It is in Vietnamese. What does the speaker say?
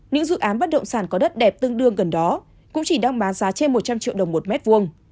những dự án bất động sản có đất đẹp tương đương gần đó cũng chỉ đang bán giá trên một trăm linh triệu đồng một mét vuông